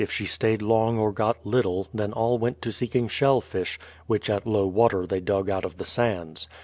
If she stayed long or got little, then all went to seeking shellfish, which at low water they dug out of the sands.